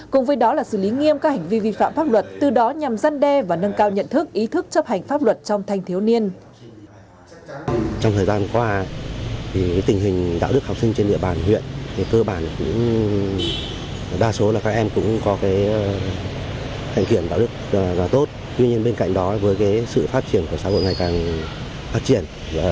cùng với đó là xử lý nghiêm các hành vi vi phạm pháp luật từ đó nhằm dân đe và nâng cao nhận thức ý thức chấp hành pháp luật trong thanh thiếu niên